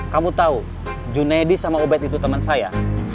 kamu tahu junedi sama ubed itu teman saya